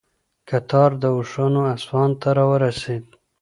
کتار د اوښانو اصفهان ته راورسېد.